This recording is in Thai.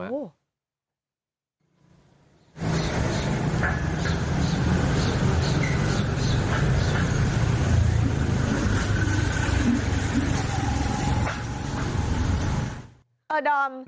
เออดอม